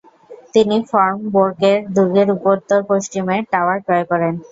তিনি ফর্মবোরকের দুর্গের উত্তর পশ্চিমের টাওয়ার ক্রয় করেন।